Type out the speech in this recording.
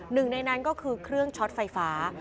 หนึ่งในนั้นก็คือเครื่องช็อตไฟฟ้า